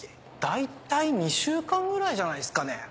大体２週間ぐらいじゃないっすかね。